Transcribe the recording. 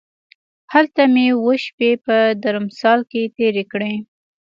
هلته مې اووه شپې په درمسال کې تېرې کړې.